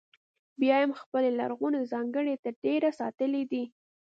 بیا یې هم خپلې لرغونې ځانګړنې تر ډېره ساتلې دي.